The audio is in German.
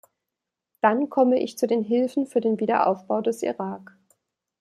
Dann komme ich zu den Hilfen für den Wiederaufbau des Irak.